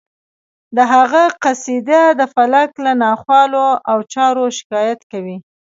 د هغه قصیده د فلک له ناخوالو او چارو شکایت کوي